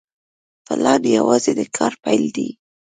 پلان یوازې د کار پیل دی